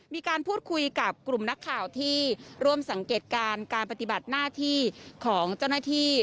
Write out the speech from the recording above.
มีการพูดคุยกับกลุ่มนักข่าวที่ร่วมสังเกตการณ์การปฏิบัติหน้าที่ของเจ้าหน้าที่